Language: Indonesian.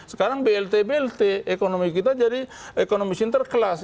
sekarang blt blt ekonomi kita jadi ekonomi sinterklas